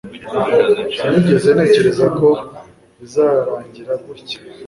sinigeze ntekereza ko bizarangira gutya